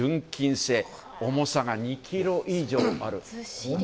製、重さが２ｋｇ以上ある。